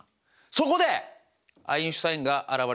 そこでアインシュタインが現れます。